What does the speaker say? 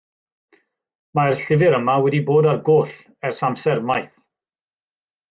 Mae'r llyfr yma wedi bod ar goll ers amser maith.